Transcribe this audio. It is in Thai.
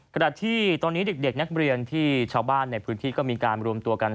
ขณะที่ตอนนี้เด็กนักเรียนที่ชาวบ้านในพื้นที่ก็มีการรวมตัวกัน